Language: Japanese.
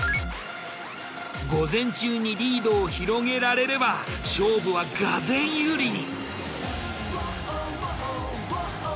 午前中にリードを広げられれば勝負はがぜん有利に！